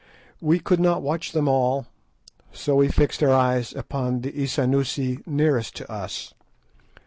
We could not watch them all, so we fixed our eyes upon the Isanusi nearest to us.